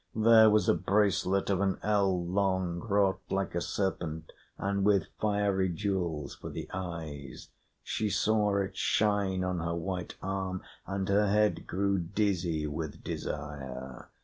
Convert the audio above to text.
There was a bracelet of an ell long, wrought like a serpent and with fiery jewels for the eyes; she saw it shine on her white arm and her head grew dizzy with desire.